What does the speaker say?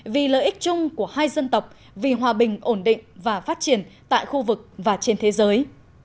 vì lợi ích chung của hai dân tộc vì hòa bình ổn định và phát triển tại khu vực và trên thế giới